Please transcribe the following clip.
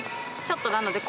ちょっとなので。